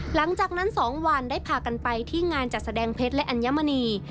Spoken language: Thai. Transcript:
หลังจากนั้น๒วันได้พากันไปที่งานจัดแสดงเพชรและอัญมณี